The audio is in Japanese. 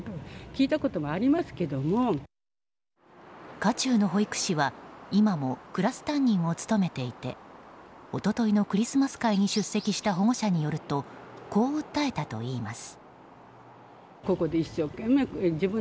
渦中の保育士は今もクラス担任を務めていて一昨日のクリスマス会に出席した保護者によるとこう訴えたといいます。